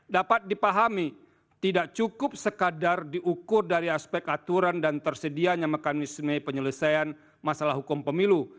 dapat dipahami tidak cukup sekadar diukur dari aspek aturan dan tersedianya mekanisme penyelesaian masalah hukum pemilu